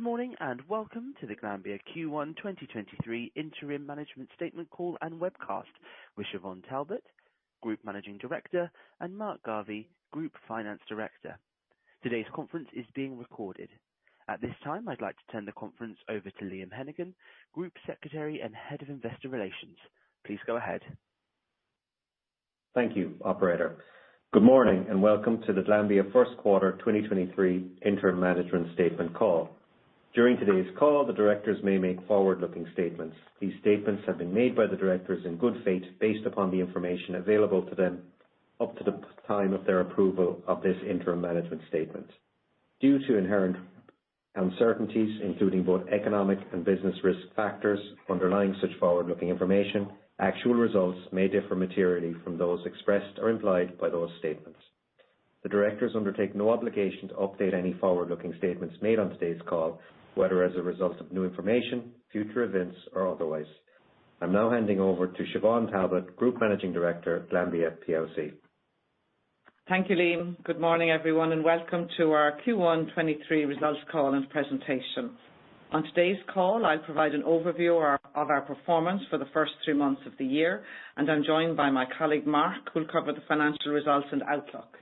Good morning. Welcome to the Glanbia Q1 2023 Interim Management Statement Call and Webcast with Siobhán Talbot, Group Managing Director, and Mark Garvey, Group Finance Director. Today's conference is being recorded. At this time, I'd like to turn the conference over to Liam Hennigan, Group Secretary and Head of Investor Relations. Please go ahead. Thank you, operator. Good morning, welcome to the Glanbia first quarter 2023 interim management statement call. During today's call, the directors may make forward-looking statements. These statements have been made by the directors in good faith based upon the information available to them up to the time of their approval of this interim management statement. Due to inherent uncertainties, including both economic and business risk factors underlying such forward-looking information, actual results may differ materially from those expressed or implied by those statements. The directors undertake no obligation to update any forward-looking statements made on today's call, whether as a result of new information, future events, or otherwise. I'm now handing over to Siobhán Talbot, Group Managing Director, Glanbia plc. Thank you, Liam. Good morning, everyone, and welcome to our Q1 2023 results call and presentation. On today's call, I'll provide an overview of our performance for the first three months of the year, and I'm joined by my colleague, Mark, who'll cover the financial results and outlook.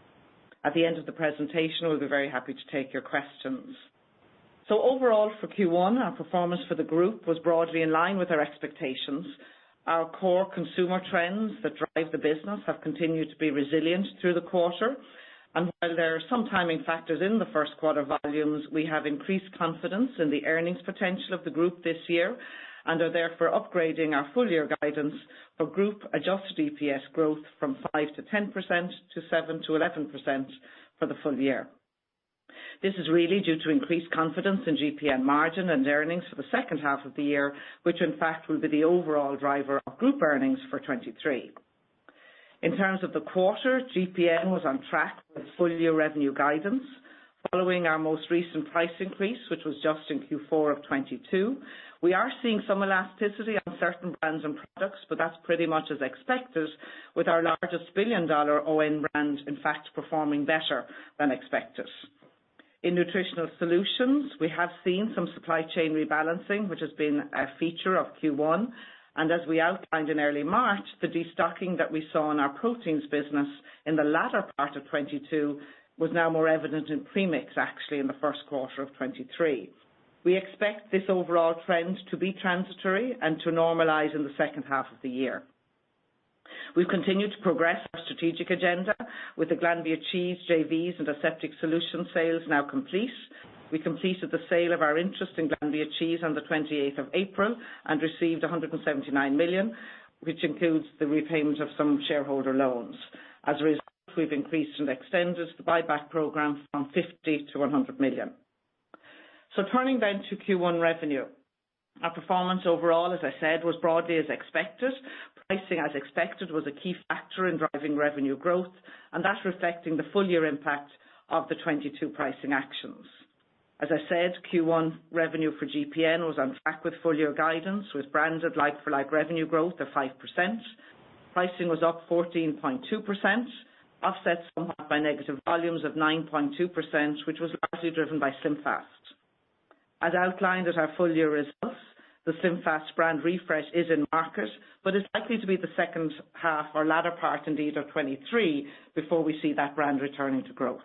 At the end of the presentation, we'll be very happy to take your questions. Overall for Q1, our performance for the group was broadly in line with our expectations. Our core consumer trends that drive the business have continued to be resilient through the quarter. While there are some timing factors in the first quarter volumes, we have increased confidence in the earnings potential of the group this year and are therefore upgrading our full year guidance for group adjusted EPS growth from 5%-10% to 7%-11% for the full year. This is really due to increased confidence in GPN margin and earnings for the second half of the year, which in fact will be the overall driver of group earnings for 2023. In terms of the quarter, GPN was on track with full year revenue guidance. Following our most recent price increase, which was just in Q4 of 2022, we are seeing some elasticity on certain brands and products, but that's pretty much as expected with our largest billion-dollar own brand in fact performing better than expected. In Nutritional Solutions, we have seen some supply chain rebalancing, which has been a feature of Q1. As we outlined in early March, the destocking that we saw in our Protein business in the latter part of 2022 was now more evident in premix, actually, in the first quarter of 2023. We expect this overall trend to be transitory and to normalize in the second half of the year. We've continued to progress our strategic agenda with the Glanbia Cheese JVs and Aseptic Solutions sales now complete. We completed the sale of our interest in Glanbia Cheese on the 28th of April and received 179 million, which includes the repayment of some shareholder loans. As a result, we've increased and extended the buyback program from 50 million to 100 million. Turning then to Q1 revenue. Our performance overall, as I said, was broadly as expected. Pricing, as expected, was a key factor in driving revenue growth, and that reflecting the full year impact of the 2022 pricing actions. As I said, Q1 revenue for GPN was on track with full year guidance, with branded like-for-like revenue growth of 5%. Pricing was up 14.2%, offset somewhat by negative volumes of 9.2%, which was largely driven by SlimFast. As outlined at our full year results, the SlimFast brand refresh is in market, it's likely to be the second half or latter part indeed of 2023 before we see that brand returning to growth.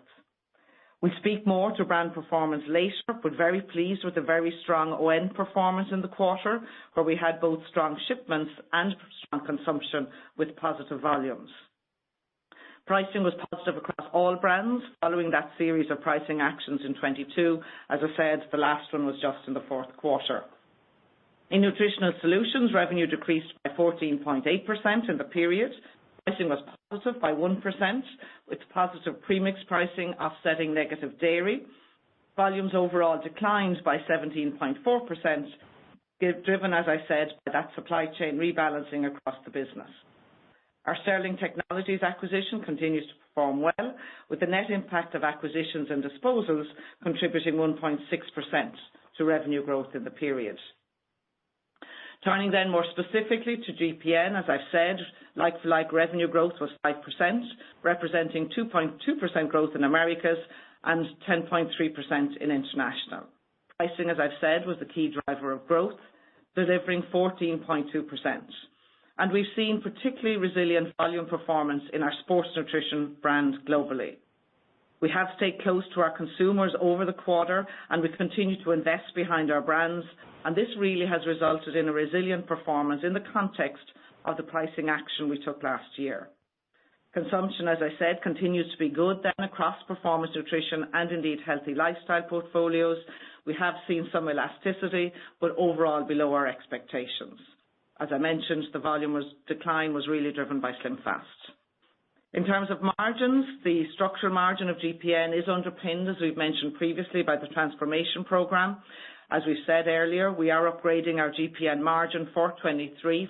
We speak more to brand performance later. We're very pleased with the very strong own performance in the quarter, where we had both strong shipments and strong consumption with positive volumes. Pricing was positive across all brands following that series of pricing actions in 2022. As I said, the last one was just in the fourth quarter. In Nutritional Solutions, revenue decreased by 14.8% in the period. Pricing was positive by 1%, with positive premix pricing offsetting negative dairy. Volumes overall declined by 17.4%, driven, as I said, by that supply chain rebalancing across the business. Our Sterling Technology acquisition continues to perform well, with the net impact of acquisitions and disposals contributing 1.6% to revenue growth in the period. Turning more specifically to GPN, as I've said, like-for-like revenue growth was 5%, representing 2.2% growth in Americas and 10.3% in international. Pricing, as I've said, was the key driver of growth, delivering 14.2%. We've seen particularly resilient volume performance in our sports nutrition brands globally. We have stayed close to our consumers over the quarter, and we've continued to invest behind our brands, and this really has resulted in a resilient performance in the context of the pricing action we took last year. Consumption, as I said, continues to be good across performance nutrition and indeed healthy lifestyle portfolios. We have seen some elasticity, but overall below our expectations. As I mentioned, the volume decline was really driven by SlimFast. In terms of margins, the structural margin of GPN is underpinned, as we've mentioned previously, by the transformation program. As we said earlier, we are upgrading our GPN margin for 2023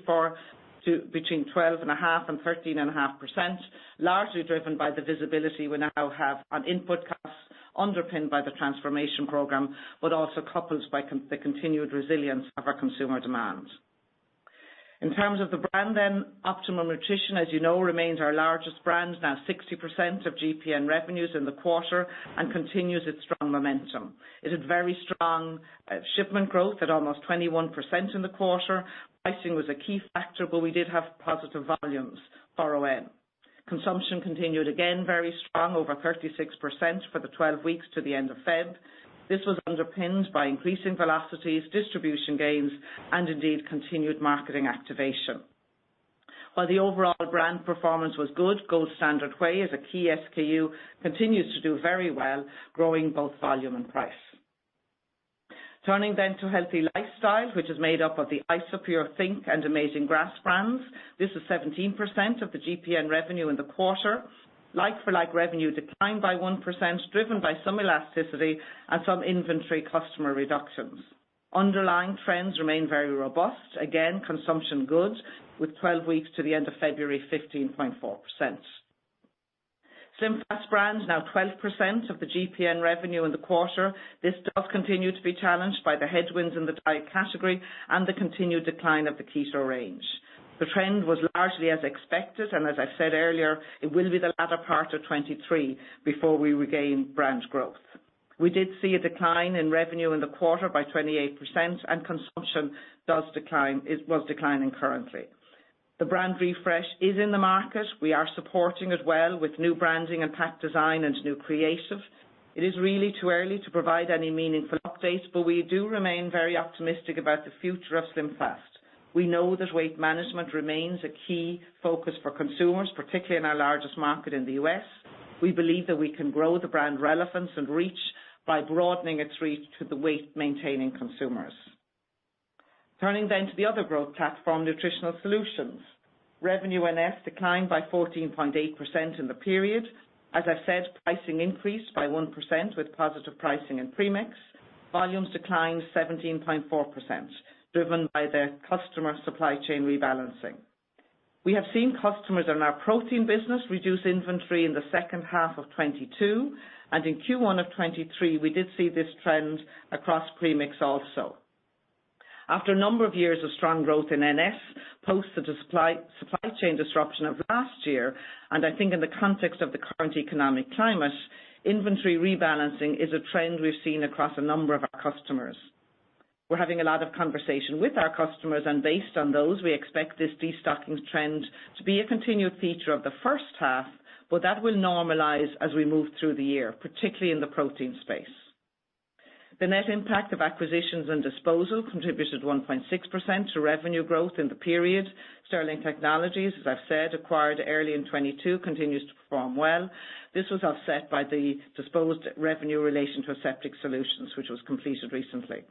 between 12.5% and 13.5%, largely driven by the visibility we now have on input costs underpinned by the transformation program, but also coupled by the continued resilience of our consumer demand. In terms of the brand, Optimum Nutrition, as you know, remains our largest brand, now 60% of GPN revenues in the quarter and continues its strong momentum. It had very strong shipment growth at almost 21% in the quarter. Pricing was a key factor. We did have positive volumes for ON. Consumption continued, again, very strong over 36% for the 12 weeks to the end of Feb. This was underpinned by increasing velocities, distribution gains, and indeed continued marketing activation. While the overall brand performance was good, Gold Standard Whey as a key SKU continues to do very well, growing both volume and price. Turning to Healthy Lifestyle, which is made up of the Isopure, think! and Amazing Grass brands. This is 17% of the GPN revenue in the quarter. Like-for-like revenue declined by 1%, driven by some elasticity and some inventory customer reductions. Underlying trends remain very robust. Consumption good with 12 weeks to the end of February, 15.4%. SlimFast brand is now 12% of the GPN revenue in the quarter. This does continue to be challenged by the headwinds in the diet category and the continued decline of the keto range. The trend was largely as expected, and as I said earlier, it will be the latter part of 2023 before we regain brand growth. We did see a decline in revenue in the quarter by 28%, and consumption was declining currently. The brand refresh is in the market. We are supporting it well with new branding and pack design and new creative. It is really too early to provide any meaningful updates, but we do remain very optimistic about the future of SlimFast. We know that weight management remains a key focus for consumers, particularly in our largest market in the U.S. We believe that we can grow the brand relevance and reach by broadening its reach to the weight-maintaining consumers. Turning to the other growth platform, Nutritional Solutions. Revenue in NS declined by 14.8% in the period. As I've said, pricing increased by 1% with positive pricing in premix. Volumes declined 17.4%, driven by the customer supply chain rebalancing. We have seen customers in our protein business reduce inventory in the second half of 2022. In Q1 of 2023, we did see this trend across premix also. After a number of years of strong growth in NS, post the supply chain disruption of last year, I think in the context of the current economic climate, inventory rebalancing is a trend we've seen across a number of our customers. We're having a lot of conversation with our customers and based on those, we expect this destocking trend to be a continued feature of the first half, but that will normalize as we move through the year, particularly in the protein space. The net impact of acquisitions and disposal contributed 1.6% to revenue growth in the period. Sterling Technology, as I've said, acquired early in 2022, continues to perform well. This was offset by the disposed revenue relation to Aseptic Solutions, which was completed recently.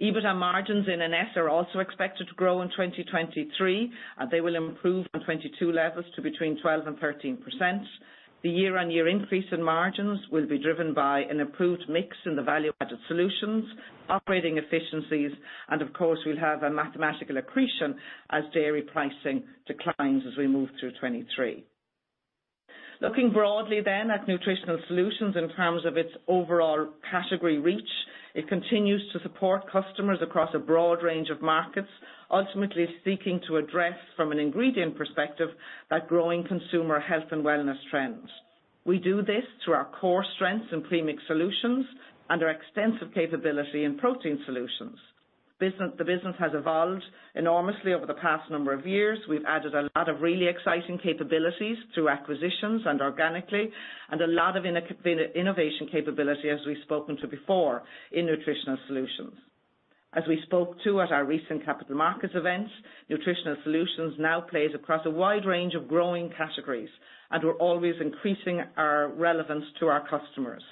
EBITDA margins in NS are also expected to grow in 2023. They will improve from 2022 levels to between 12% and 13%. The year-on-year increase in margins will be driven by an improved mix in the value-added solutions, operating efficiencies, and of course, we'll have a mathematical accretion as dairy pricing declines as we move through 2023. Looking broadly then at Nutritional Solutions in terms of its overall category reach, it continues to support customers across a broad range of markets, ultimately seeking to address from an ingredient perspective that growing consumer health and wellness trend. We do this through our core strengths in premix solutions and our extensive capability in Protein Solutions. The business has evolved enormously over the past number of years. We've added a lot of really exciting capabilities through acquisitions and organically, and a lot of innovation capability, as we've spoken to before, in Nutritional Solutions. As we spoke to at our recent capital markets event, Nutritional Solutions now plays across a wide range of growing categories, and we're always increasing our relevance to our customers.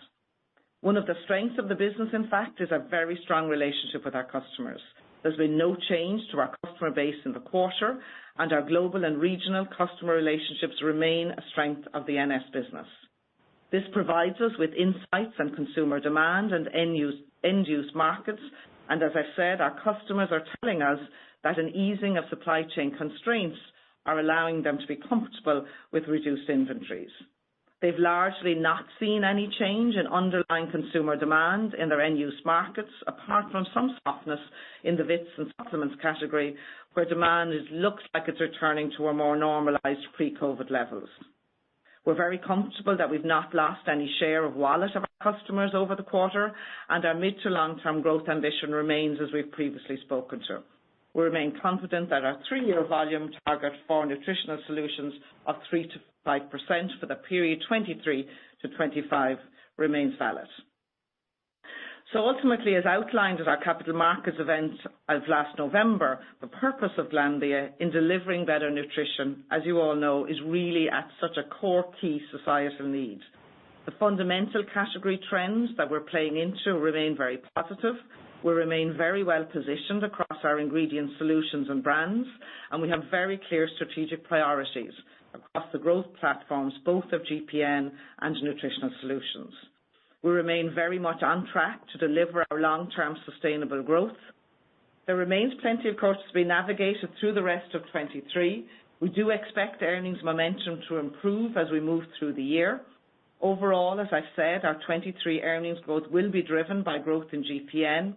One of the strengths of the business, in fact, is our very strong relationship with our customers. There's been no change to our customer base in the quarter and our global and regional customer relationships remain a strength of the NS business. This provides us with insights on consumer demand and end-use markets. As I said, our customers are telling us that an easing of supply chain constraints are allowing them to be comfortable with reduced inventories. They've largely not seen any change in underlying consumer demand in their end-use markets, apart from some softness in the vitamins and supplements category, where demand is, looks like it's returning to a more normalized pre-COVID levels. We're very comfortable that we've not lost any share of wallet of our customers over the quarter. Our mid to long term growth ambition remains as we've previously spoken to. We remain confident that our three-year volume target for Nutritional Solutions of 3%-5% for the period 2023-2025 remains valid. Ultimately, as outlined at our capital markets event of last November, the purpose of Glanbia in delivering better nutrition, as you all know, is really at such a core key societal need. The fundamental category trends that we're playing into remain very positive. We remain very well-positioned across our ingredient solutions and brands, and we have very clear strategic priorities across the growth platforms, both of GPN and Nutritional Solutions. We remain very much on track to deliver our long-term sustainable growth. There remains plenty of course to be navigated through the rest of 2023. We do expect earnings momentum to improve as we move through the year. Overall, as I said, our 2023 earnings growth will be driven by growth in GPN,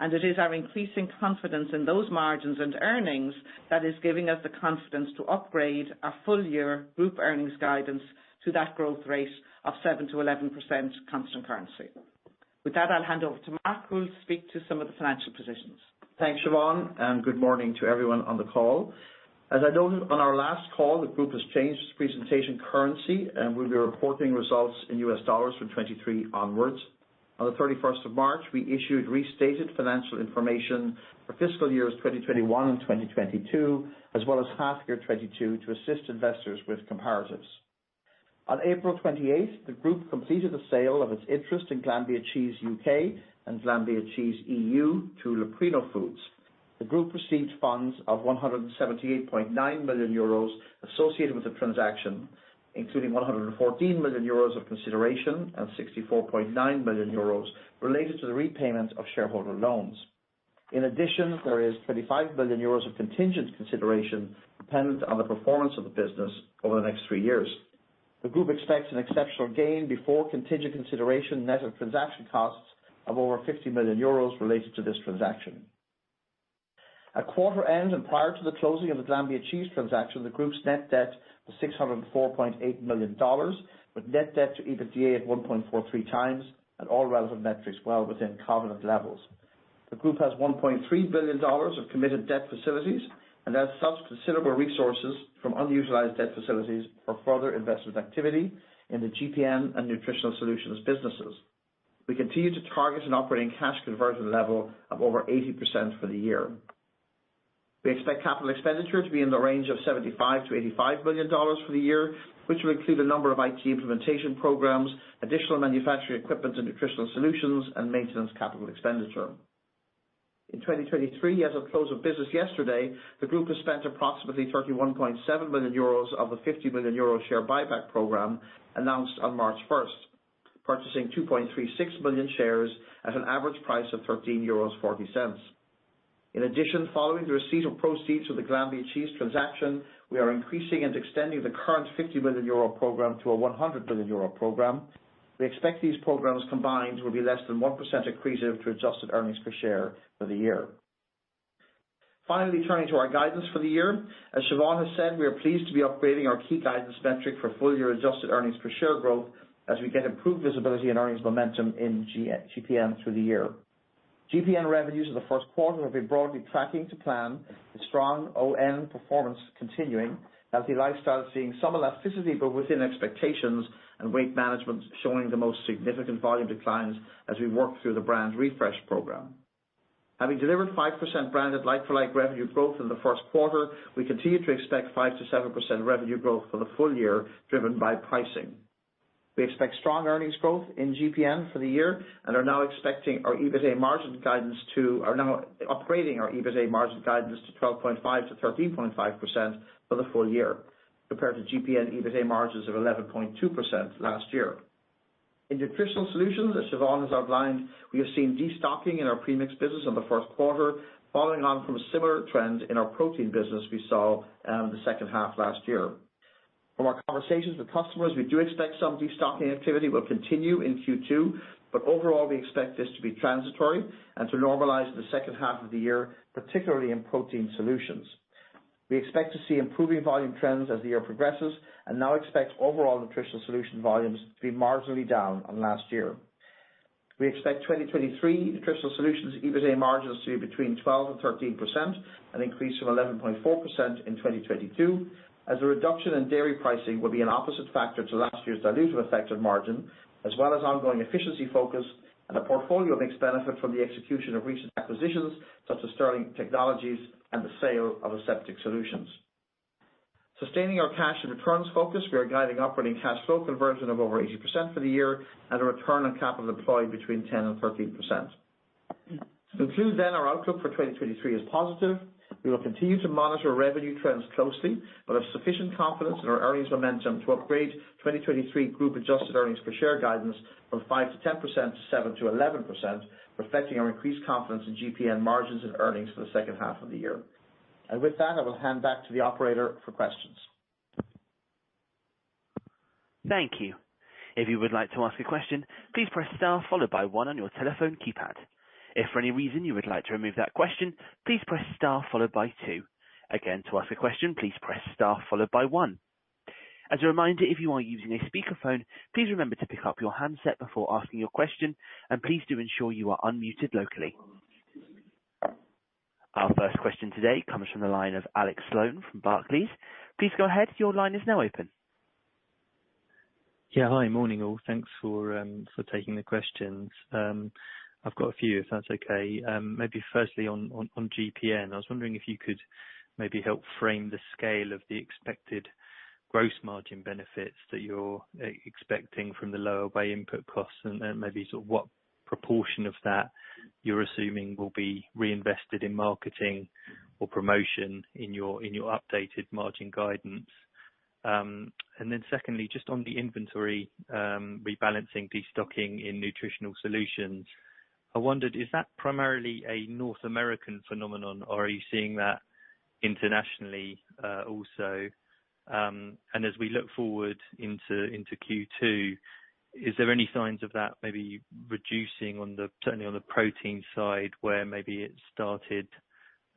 and it is our increasing confidence in those margins and earnings that is giving us the confidence to upgrade our full year group earnings guidance to that growth rate of 7%-11% constant currency. With that, I'll hand over to Mark, who will speak to some of the financial positions. Thanks, Siobhán, and good morning to everyone on the call. As I noted on our last call, the group has changed its presentation currency and we'll be reporting results in U.S. dollars from 2023 onwards. On the 31st of March, we issued restated financial information for fiscal years 2021 and 2022, as well as half year 2022 to assist investors with comparatives. On April 28th, the group completed the sale of its interest in Glanbia Cheese U.K. and Glanbia Cheese EU to Leprino Foods. The group received funds of 178.9 million euros associated with the transaction, including 114 million euros of consideration and 64.9 million euros related to the repayment of shareholder loans. In addition, there is 25 million euros of contingent consideration dependent on the performance of the business over the next three years. The group expects an exceptional gain before contingent consideration net of transaction costs of over 50 million euros related to this transaction. At quarter end, and prior to the closing of the Glanbia Cheese transaction, the group's net debt was $604.8 million with net debt to EBITDA at 1.43 times and all relevant metrics well within covenant levels. The group has $1.3 billion of committed debt facilities and has such considerable resources from underutilized debt facilities for further investment activity in the GPN and Nutritional Solutions businesses. We continue to target an operating cash conversion level of over 80% for the year. We expect capital expenditure to be in the range of $75 million-$85 million for the year, which will include a number of IT implementation programs, additional manufacturing equipment and Nutritional Solutions and maintenance capital expenditure. In 2023, as of close of business yesterday, the group has spent approximately 31.7 million euros of the 50 million euro share buyback program announced on March 1st, purchasing 2.36 million shares at an average price of 13.40 euros. Following the receipt of proceeds from the Glanbia Cheese transaction, we are increasing and extending the current 50 million euro program to a 100 million euro program. We expect these programs combined will be less than 1% accretive to adjusted Earnings Per Share for the year. Turning to our guidance for the year. As Siobhán has said, we are pleased to be upgrading our key guidance metric for full year adjusted Earnings Per Share growth as we get improved visibility and earnings momentum in GPN through the year. GPN revenues in the first quarter will be broadly tracking to plan, with strong ON performance continuing. Healthy lifestyle is seeing some elasticity but within expectations, and weight management showing the most significant volume declines as we work through the brand refresh program. Having delivered 5% branded like-for-like revenue growth in the first quarter, we continue to expect 5%-7% revenue growth for the full year, driven by pricing. We expect strong earnings growth in GPN for the year and are now expecting our EBITA margin guidance to are now upgrading our EBITA margin guidance to 12.5%-13.5% for the full year, compared to GPN EBITA margins of 11.2% last year. In Nutritional Solutions, as Siobhán has outlined, we have seen destocking in our premix business in the first quarter, following on from a similar trend in our protein business we saw the second half last year. From our conversations with customers, we do expect some destocking activity will continue in Q2, but overall, we expect this to be transitory and to normalize in the second half of the year, particularly in Protein Solutions. We expect to see improving volume trends as the year progresses and now expect overall Nutritional Solutions volumes to be marginally down on last year. We expect 2023 Nutritional Solutions EBITA margins to be between 12% and 13%, an increase from 11.4% in 2022, as a reduction in dairy pricing will be an opposite factor to last year's dilutive effect of margin, as well as ongoing efficiency focus and a portfolio mix benefit from the execution of recent acquisitions such as Sterling Technology and the sale of Aseptic Solutions. Sustaining our cash and returns focus, we are guiding operating cash flow conversion of over 80% for the year and a return on capital employed between 10% and 13%. To conclude, our outlook for 2023 is positive. We will continue to monitor revenue trends closely, but have sufficient confidence in our earnings momentum to upgrade 2023 group adjusted earnings per share guidance from 5%-10% to 7%-11%, reflecting our increased confidence in GPN margins and earnings for the second half of the year. With that, I will hand back to the operator for questions. Thank you. If you would like to ask a question, please press star followed by one on your telephone keypad. If for any reason you would like to remove that question, please press star followed by two. Again, to ask a question, please press star followed by one. As a reminder, if you are using a speakerphone, please remember to pick up your handset before asking your question, and please do ensure you are unmuted locally. Our first question today comes from the line of Alex Sloane from Barclays. Please go ahead. Your line is now open. Hi. Morning, all. Thanks for taking the questions. I've got a few, if that's okay. Maybe firstly on GPN. I was wondering if you could maybe help frame the scale of the expected gross margin benefits that you're expecting from the lower buy input costs and maybe sort of what proportion of that you're assuming will be reinvested in marketing or promotion in your updated margin guidance? Secondly, just on the inventory rebalancing, destocking in Nutritional Solutions, I wondered, is that primarily a North American phenomenon or are you seeing that Internationally also, and as we look forward into Q2, is there any signs of that maybe reducing certainly on the protein side, where maybe it started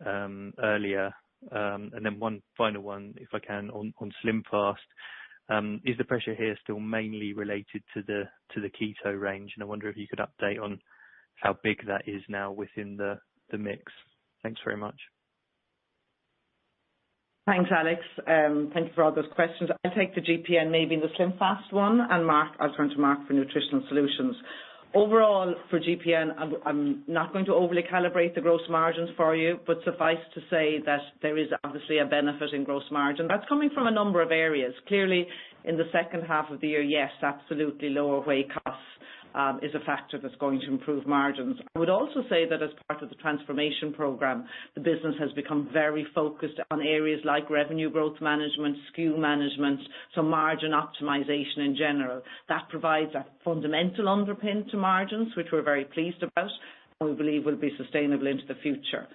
earlier? Then one final one, if I can, on SlimFast. Is the pressure here still mainly related to the keto range? I wonder if you could update on how big that is now within the mix. Thanks very much. Thanks, Alex. Thank you for all those questions. I'll take the GPN, maybe the SlimFast one, and Mark, I'll turn to Mark for Nutritional Solutions. Overall, for GPN, I'm not going to overly calibrate the gross margins for you, but suffice to say that there is obviously a benefit in gross margin. That's coming from a number of areas. Clearly, in the second half of the year, yes, absolutely lower whey costs, is a factor that's going to improve margins. I would also say that as part of the transformation program, the business has become very focused on areas like revenue growth management, SKU management, so margin optimization in general. That provides a fundamental underpin to margins, which we're very pleased about, and we believe will be sustainable into the future.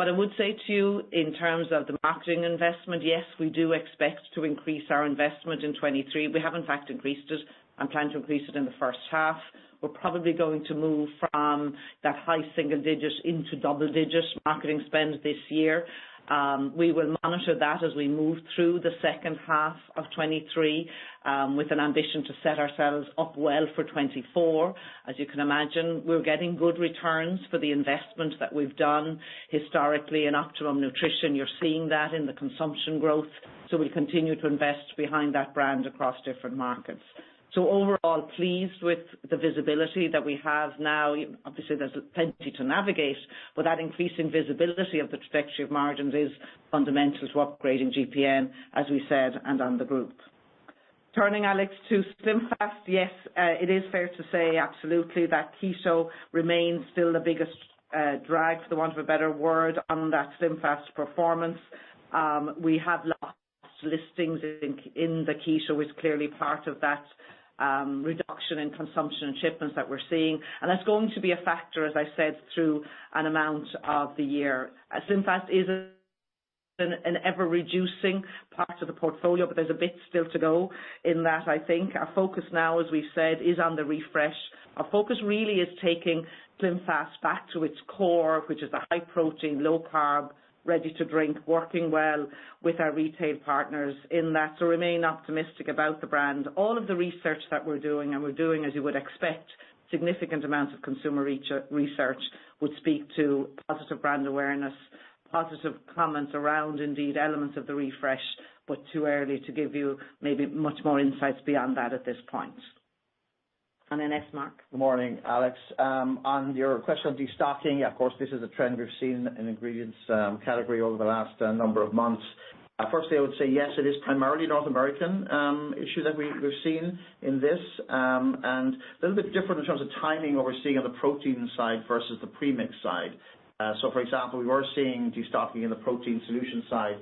I would say to you in terms of the marketing investment, yes, we do expect to increase our investment in 2023. We have in fact increased it and plan to increase it in the first half. We're probably going to move from that high single digits into double digits marketing spend this year. We will monitor that as we move through the second half of 2023, with an ambition to set ourselves up well for 2024. As you can imagine, we're getting good returns for the investment that we've done historically in Optimum Nutrition. You're seeing that in the consumption growth. Overall, pleased with the visibility that we have now. There's plenty to navigate, but that increasing visibility of the trajectory of margins is fundamental to upgrading GPN, as we said, and on the group. Turning Alex to SlimFast. Yes, it is fair to say absolutely that keto remains still the biggest drag, for want of a better word, on that SlimFast performance. We have lost listings in the keto is clearly part of that reduction in consumption and shipments that we're seeing. That's going to be a factor, as I said, through an amount of the year. SlimFast is an ever-reducing part of the portfolio, but there's a bit still to go in that, I think. Our focus now, as we've said, is on the refresh. Our focus really is taking SlimFast back to its core, which is the high protein, low carb, ready to drink, working well with our retail partners in that. Remain optimistic about the brand. All of the research that we're doing, as you would expect, significant amounts of consumer research would speak to positive brand awareness, positive comments around indeed elements of the refresh, but too early to give you maybe much more insights beyond that at this point. Yes, Mark. Good morning, Alex. On your question on destocking, of course, this is a trend we've seen in ingredients category over the last number of months. Firstly, I would say, yes, it is primarily North American issue that we're seeing in this, and a little bit different in terms of timing what we're seeing on the protein side versus the premix side. For example, we were seeing destocking in the Protein Solutions side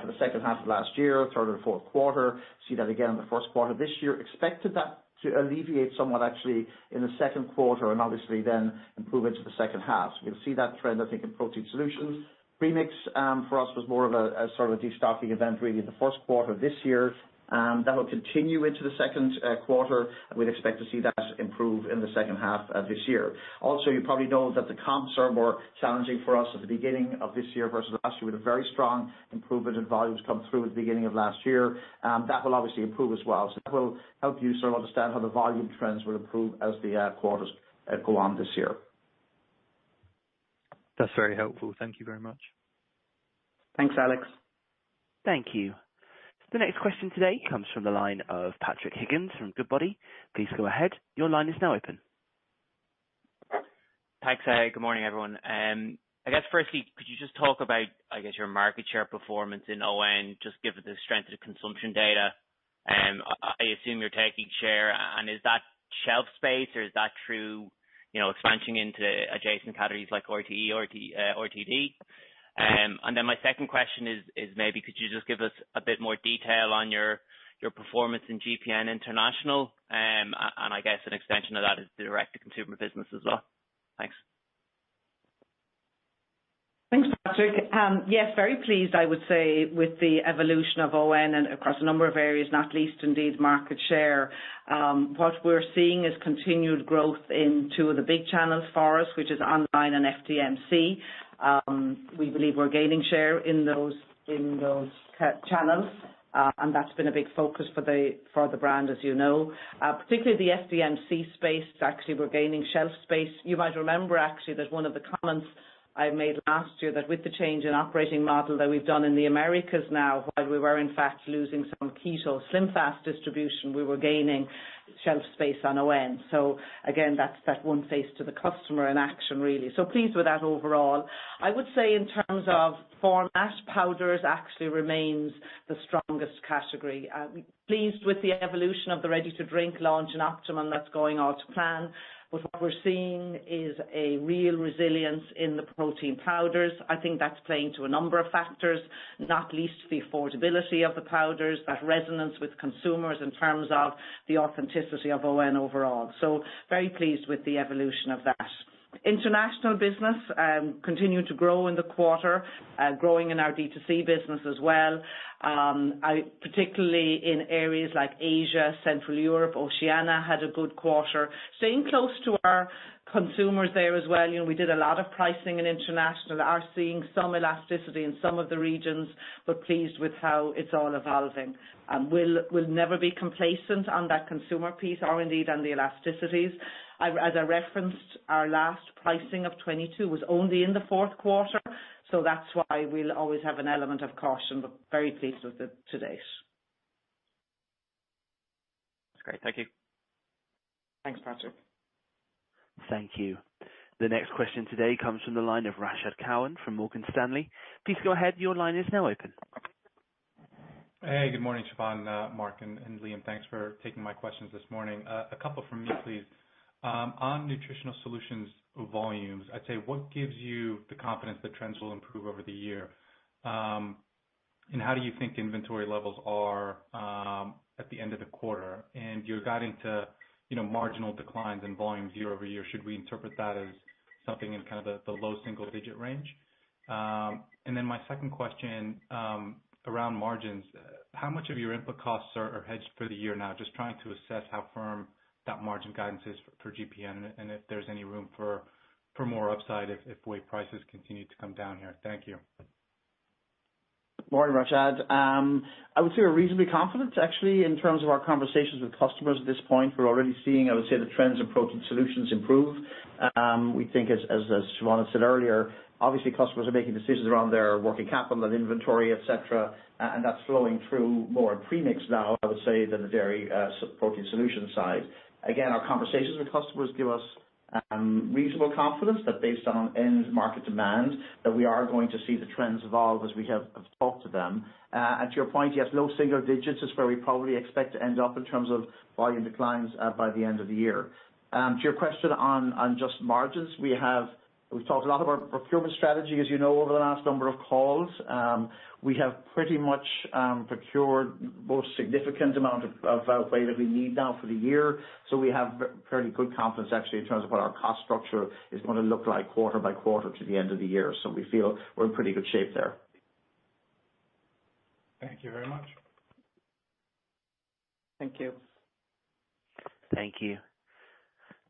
for the second half of last year, third or fourth quarter. See that again in the first quarter this year. Expected that to alleviate somewhat actually in the second quarter and obviously then improve into the second half. We'll see that trend, I think, in Protein Solutions. Premix for us was more of a sort of a destocking event really the first quarter this year, and that will continue into the second quarter, and we'd expect to see that improve in the second half of this year. You probably know that the comps are more challenging for us at the beginning of this year versus last year with a very strong improvement in volumes come through at the beginning of last year. That will obviously improve as well. That will help you sort of understand how the volume trends will improve as the quarters go on this year. That's very helpful. Thank you very much. Thanks, Alex. Thank you. The next question today comes from the line of Patrick Higgins from Goodbody. Please go ahead. Your line is now open. Thanks. Good morning, everyone. I guess firstly, could you just talk about, I guess, your market share performance in ON, just given the strength of the consumption data. I assume you're taking share. Is that shelf space or is that through, you know, expansion into adjacent categories like RTE or RTD? My second question is maybe could you just give us a bit more detail on your performance in GPN International? I guess an extension of that is the direct-to-consumer business as well. Thanks. Thanks, Patrick. Yes, very pleased, I would say, with the evolution of ON and across a number of areas, not least indeed market share. What we're seeing is continued growth in two of the big channels for us, which is online and FDMC. We believe we're gaining share in those channels, and that's been a big focus for the brand, as you know. Particularly the FDMC space, actually, we're gaining shelf space. You might remember actually that one of the comments I made last year that with the change in operating model that we've done in the Americas now, while we were in fact losing some keto SlimFast distribution, we were gaining shelf space on ON. Again, that's that one face to the customer in action, really. Pleased with that overall. I would say in terms of format, powders actually remains the strongest category. Pleased with the evolution of the ready-to-drink launch in Optimum. That's going all to plan. What we're seeing is a real resilience in the protein powders. I think that's playing to a number of factors, not least the affordability of the powders, that resonance with consumers in terms of the authenticity of ON overall. Very pleased with the evolution of that. International business, continued to grow in the quarter, growing in our D2C business as well. Particularly in areas like Asia, Central Europe, Oceania had a good quarter. Staying close to our consumers there as well. You know, we did a lot of pricing in international, are seeing some elasticity in some of the regions, pleased with how it's all evolving. We'll never be complacent on that consumer piece or indeed on the elasticities. As I referenced, our last pricing of 2022 was only in the fourth quarter. That's why we'll always have an element of caution. Very pleased with it to date. That's great. Thank you. Thanks, Patrick. Thank you. The next question today comes from the line of Rashad Kawan from Morgan Stanley. Please go ahead. Your line is now open. Hey, good morning, Siobhán, Mark, and Liam. Thanks for taking my questions this morning. A couple from me, please. On Nutritional Solutions volumes, I'd say, what gives you the confidence that trends will improve over the year? How do you think inventory levels are at the end of the quarter? You got into, you know, marginal declines in volume year-over-year. Should we interpret that as something in kind of the low single digit range? Then my second question around margins. How much of your input costs are hedged for the year now? Just trying to assess how firm that margin guidance is for GPN and if there's any room for more upside if whey prices continue to come down here. Thank you. Morning, Rashad. I would say we're reasonably confident actually in terms of our conversations with customers at this point. We're already seeing, I would say the trends in Protein Solutions improve. We think as Siobhán said earlier, obviously customers are making decisions around their working capital and inventory, et cetera, and that's flowing through more in premix now, I would say, than the dairy Protein Solutions side. Again, our conversations with customers give us reasonable confidence that based on end market demand, that we are going to see the trends evolve as we have talked to them. At your point, yes, low single digits is where we probably expect to end up in terms of volume declines by the end of the year. To your question on just margins, we've talked a lot about procurement strategy, as you know, over the last number of calls. We have pretty much procured most significant amount of whey that we need now for the year. We have very good confidence actually in terms of what our cost structure is gonna look like quarter by quarter to the end of the year. We feel we're in pretty good shape there. Thank you very much. Thank you. Thank you.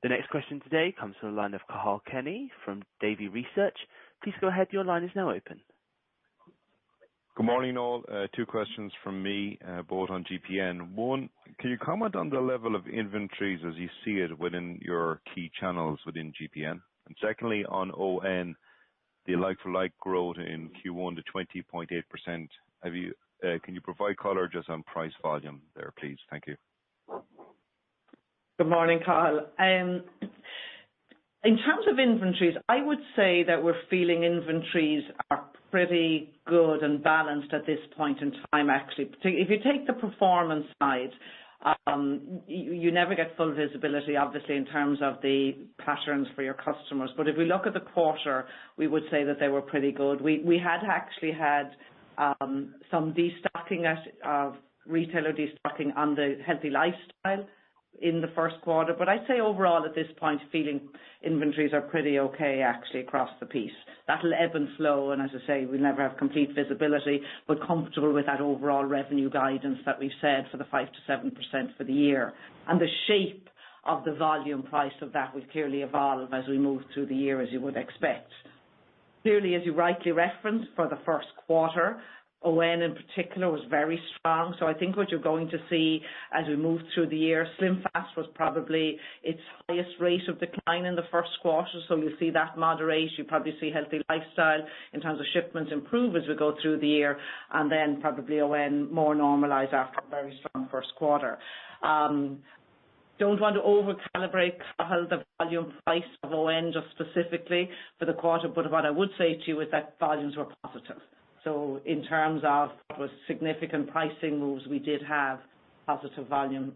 The next question today comes from the line of Cathal Kenny from Davy Research. Please go ahead. Your line is now open. Good morning, all. Two questions from me, both on GPN. One, can you comment on the level of inventories as you see it within your key channels within GPN? Secondly, on ON, the like-for-like growth in Q1 to 20.8%. Can you provide color just on price volume there, please? Thank you. Good morning, Cathal. In terms of inventories, I would say that we're feeling inventories are pretty good and balanced at this point in time, actually. If you take the performance side, you never get full visibility, obviously, in terms of the patterns for your customers. If we look at the quarter, we would say that they were pretty good. We had actually had some retailer destocking on the healthy lifestyle in the first quarter. I'd say overall, at this point, feeling inventories are pretty okay actually across the piece. That'll ebb and flow, and as I say, we never have complete visibility. We're comfortable with that overall revenue guidance that we've said for the 5%-7% for the year. The shape of the volume price of that will clearly evolve as we move through the year, as you would expect. Clearly, as you rightly referenced for the first quarter, ON in particular was very strong. I think what you're going to see as we move through the year, SlimFast was probably its highest rate of decline in the first quarter. You'll see that moderate. You'll probably see healthy lifestyle in terms of shipments improve as we go through the year, and then probably ON more normalized after a very strong first quarter. Don't want to over-calibrate, Cathal, the volume price of ON just specifically for the quarter, but what I would say to you is that volumes were positive. In terms of the significant pricing moves, we did have positive volume,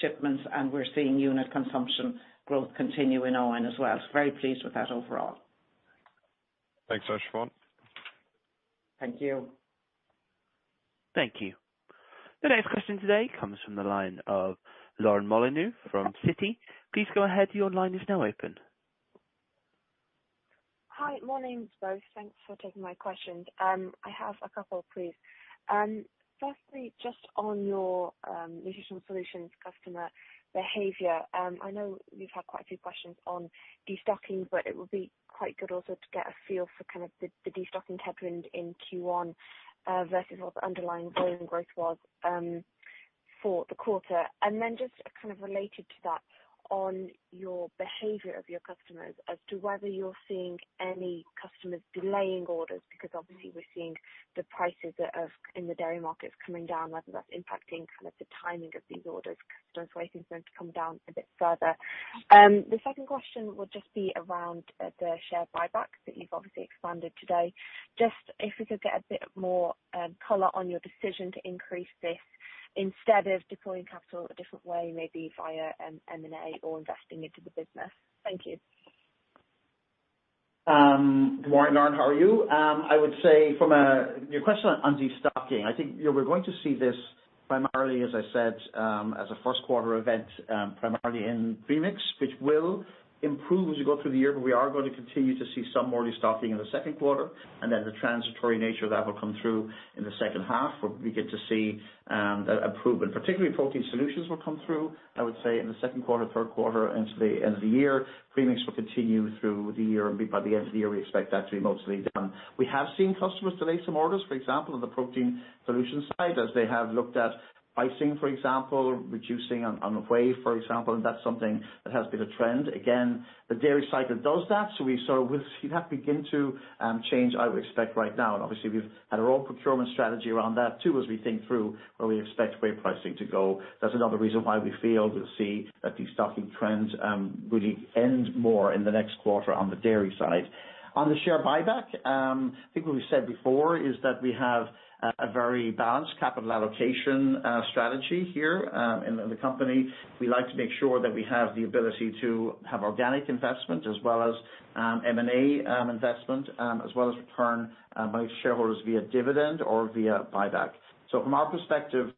shipments, and we're seeing unit consumption growth continue in ON as well. Very pleased with that overall. Thanks, Siobhán. Thank you. Thank you. The next question today comes from the line of Lauren Molyneux from Citi. Please go ahead. Your line is now open. Hi. Morning to both. Thanks for taking my questions. I have a couple, please. Firstly, just on your Nutritional Solutions customer behavior, I know you've had quite a few questions on destocking, but it would be quite good also to get a feel for kind of the destocking headwind in Q1 versus what the underlying volume growth was for the quarter. Then just kind of related to that, on your behavior of your customers as to whether you're seeing any customers delaying orders, because obviously we're seeing the prices in the dairy markets coming down, whether that's impacting kind of the timing of these orders, customers waiting for them to come down a bit further. The second question would just be around the share buybacks that you've obviously expanded today. Just if we could get a bit more color on your decision to increase this instead of deploying capital a different way, maybe via M&A or investing into the business. Thank you. Good morning, Lauren Molyneux, how are you? I would say, your question on destocking, I think, you know, we're going to see this primarily, as I said, as a first quarter event, primarily in Premix, which will improve as you go through the year, but we are gonna continue to see some more destocking in the second quarter, and then the transitory nature of that will come through in the second half, where we get to see a improvement. Particularly Protein Solutions will come through, I would say in the second quarter, third quarter into the end of the year. Premix will continue through the year, and be by the end of the year, we expect that to be mostly done. We have seen customers delay some orders, for example, on the Protein Solutions side, as they have looked at pricing, for example, reducing on the whey, for example. That's something that has been a trend. The dairy cycle does that. We sort of. We'll see that begin to change I would expect right now. Obviously we've had our own procurement strategy around that too, as we think through where we expect whey pricing to go. That's another reason why we feel we'll see destocking trends really end more in the next quarter on the dairy side. On the share buyback, I think what we said before is that we have a very balanced capital allocation strategy here in the company. We like to make sure that we have the ability to have organic investment as well as M&A investment as well as return both shareholders via dividend or via buyback. From our perspective,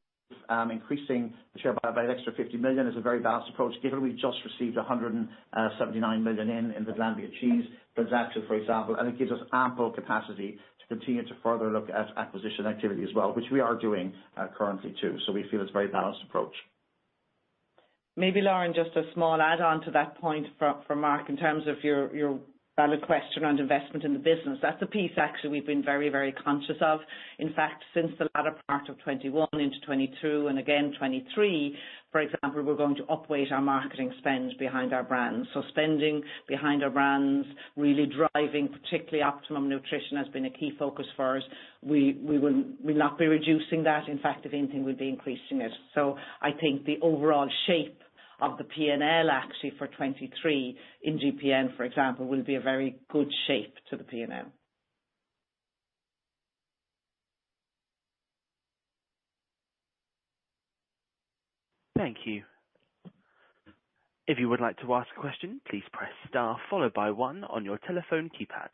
increasing the share buyback by an extra 50 million is a very balanced approach, given we just received 179 million in the Glanbia Cheese transaction, for example. It gives us ample capacity to continue to further look at acquisition activity as well, which we are doing currently too. We feel it's a very balanced approach. Maybe Lauren, just a small add-on to that point for Mark, in terms of your valid question around investment in the business. That's a piece actually we've been very, very conscious of. In fact, since the latter part of 2021 into 2022 and again 2023, for example, we're going to upweight our marketing spend behind our brands. Spending behind our brands, really driving particularly Optimum Nutrition has been a key focus for us. We'll not be reducing that. In fact, if anything we'll be increasing it. I think the overall shape of the P&L actually for 2023 in GPN, for example, will be a very good shape to the P&L. Thank you. If you would like to ask a question, please press star followed by one on your telephone keypad.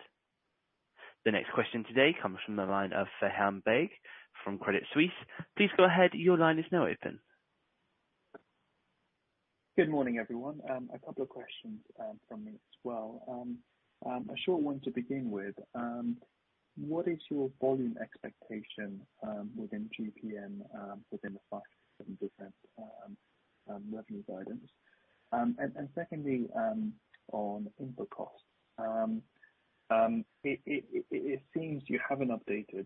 The next question today comes from the line of Farhan Baig from Credit Suisse. Please go ahead. Your line is now open. Good morning, everyone. A couple of questions from me as well. A short one to begin with. What is your volume expectation within GPN within the 5-7% revenue guidance? Secondly, on input costs. It seems you haven't updated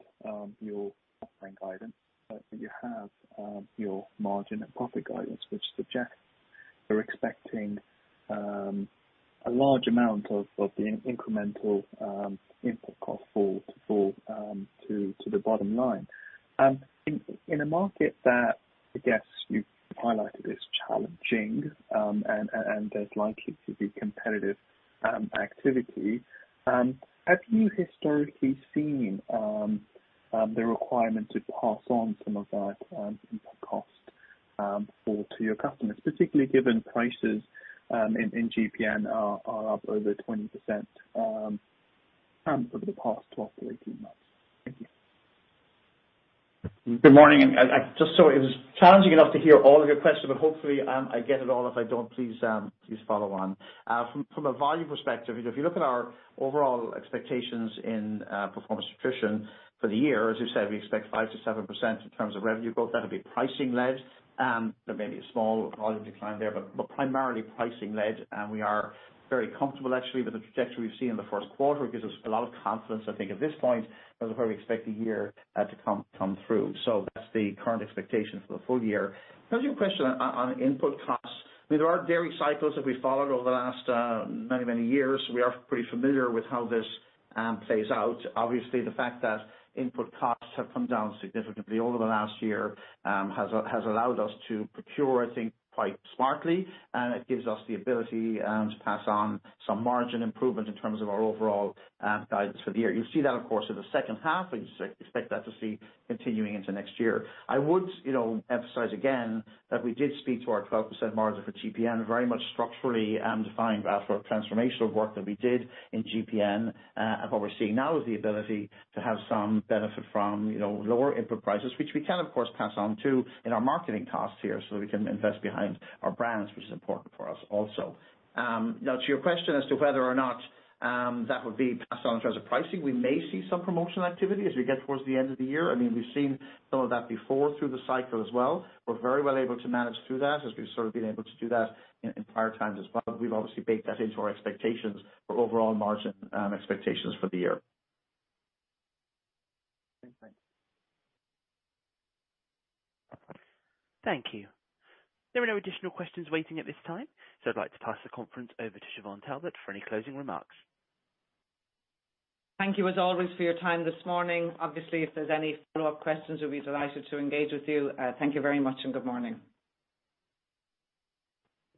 your offering guidance, but you have your margin and profit guidance, which suggests you're expecting a large amount of the incremental input cost fall to the bottom line. In a market that I guess you've highlighted as challenging, and there's likely to be competitive activity, have you historically seen the requirement to pass on some of that input cost fall to your customers, particularly given prices in GPN are up over 20% over the past 12-18 months? Thank you. Good morning. It was challenging enough to hear all of your questions, but hopefully, I get it all. If I don't, please follow on. From a volume perspective, you know, if you look at our overall expectations in performance nutrition for the year, as we've said, we expect 5%-7% in terms of revenue growth. That'll be pricing led. There may be a small volume decline there, but primarily pricing led. We are very comfortable actually with the trajectory we've seen in the first quarter. It gives us a lot of confidence, I think at this point, as where we expect the year to come through. That's the current expectation for the full year. To answer your question on input costs, I mean, there are dairy cycles that we followed over the last many, many years. We are pretty familiar with how this plays out. Obviously, the fact that input costs have come down significantly over the last year has allowed us to procure, I think, quite smartly, and it gives us the ability to pass on some margin improvement in terms of our overall guidance for the year. You'll see that of course in the second half, and you expect that to see continuing into next year. I would, you know, emphasize again that we did speak to our 12% margin for GPN, very much structurally defined as our transformational work that we did in GPN. What we're seeing now is the ability to have some benefit from, you know, lower input prices, which we can of course pass on too in our marketing costs here, so we can invest behind our brands, which is important for us also. Now to your question as to whether or not that would be passed on in terms of pricing, we may see some promotional activity as we get towards the end of the year. I mean, we've seen some of that before through the cycle as well. We're very well able to manage through that, as we've sort of been able to do that in prior times as well. We've obviously baked that into our expectations for overall margin expectations for the year. Okay, thanks. Thank you. There are no additional questions waiting at this time, so I'd like to pass the conference over to Siobhán Talbot for any closing remarks. Thank you as always for your time this morning. Obviously, if there's any follow-up questions, we'd be delighted to engage with you. Thank you very much and good morning.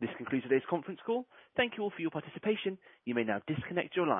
This concludes today's conference call. Thank you all for your participation. You may now disconnect your line.